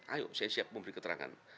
ayo saya siap memberi keterangan